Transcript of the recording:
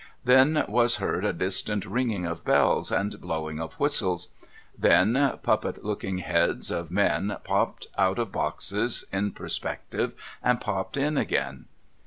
Then was heard a distant ringing of bells and blowing of whistles. Then, puppet looking heads of men popped out of boxes in perspective, and popped in again.